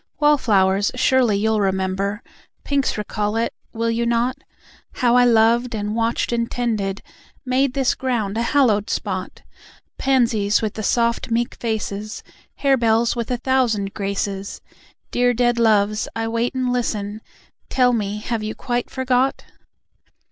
Wallflowers, surely you'll remember, Pinks, recall it, will you not? How I loved and watched and tended, Made this ground a hallowed spot: Pansies, with the soft meek faces, Harebells, with a thousand graces: Dear dead loves, I wait and listen. Tell me, have you quite forgot?